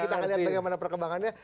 kita akan lihat bagaimana perkembangannya